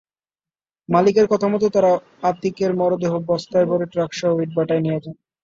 মালিকের কথামতো তাঁরা আতিকের মরদেহ বস্তায় ভরে ট্রাকসহ ইটভাটায় নিয়ে যান।